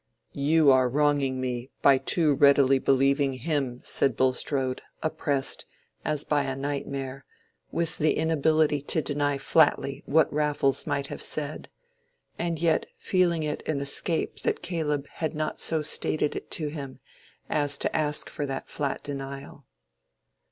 "You are wronging me by too readily believing him," said Bulstrode, oppressed, as by a nightmare, with the inability to deny flatly what Raffles might have said; and yet feeling it an escape that Caleb had not so stated it to him as to ask for that flat denial.